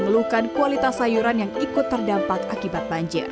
mengeluhkan kualitas sayuran yang ikut terdampak akibat banjir